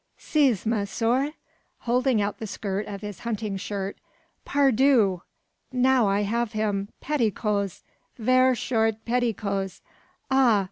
Zis, monsieur," holding out the skirt of his hunting shirt; "par Dieu! now I have him petticoes; ver short petticoes. Ah!